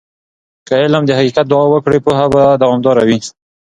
که علم د حقیقت دعا وکړي، پوهه به دوامدار وي.